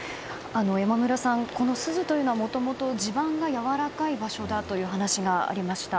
山村さん、珠洲というのはもともと地盤がやわらかい場所だという話がありました。